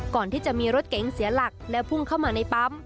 ก่อนที่จะมีรถเก๋งเสียหลักและพุ่งเข้ามาในปั๊ม